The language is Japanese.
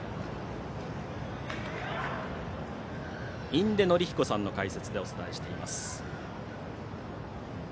印出順彦さんの解説でお伝えしています。